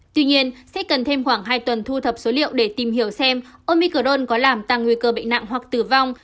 tuy nhiên sẽ cần thêm khoảng hai tuần thu thập số liệu để tìm hiểu xem omicron có làm tăng nguy cơ bệnh nặng hoặc tử vong